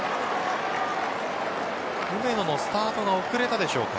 梅野のスタートが遅れたでしょうか。